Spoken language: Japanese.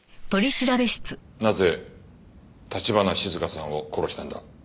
なぜ橘静香さんを殺したんだ？